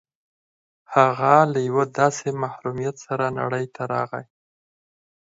هغه له یوه داسې محرومیت سره نړۍ ته راغی